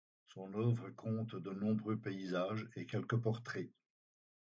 Son œuvre compte de nombreux paysages et quelques portraits.